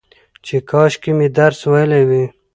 چې کاشکي مې درس ويلى وى